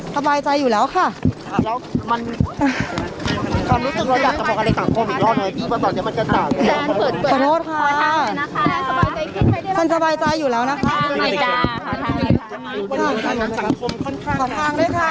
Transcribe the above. สบายใจอยู่แล้วค่ะครับแล้วมันค่ะ